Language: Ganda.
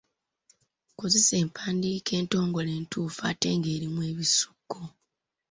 Kozesa empandiika entongole entuufu ate nga erimu ebisoko.